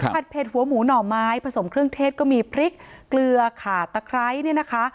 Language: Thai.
เผ็ดหัวหมูหน่อไม้ผสมเครื่องเทศก็มีพริกเกลือขาดตะไคร้เนี่ยนะคะ